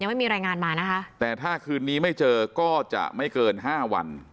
ไม่มีรายงานมานะคะแต่ถ้าคืนนี้ไม่เจอก็จะไม่เกินห้าวัน